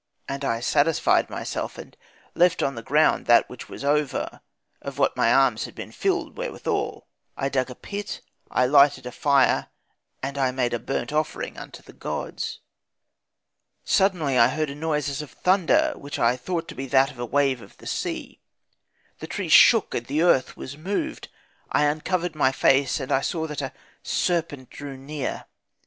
And I satisfied myself; and left on the ground that which was over, of what my arms had been filled withal. I dug a pit, I lighted a fire, and I made a burnt offering unto the gods. "Suddenly I heard a noise as of thunder, which I thought to be that of a wave of the sea. The trees shook, and the earth was moved. I uncovered my face, and I saw that a serpent drew near.